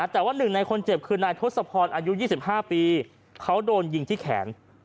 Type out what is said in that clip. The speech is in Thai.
แต่ว่าหนึ่งในคนเจ็บคือนายทศพรอายุ๒๕ปีเขาโดนยิงที่แขน